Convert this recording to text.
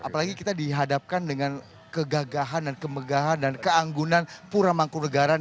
apalagi kita dihadapkan dengan kegagahan dan kemegahan dan keanggunan pura mangkunegara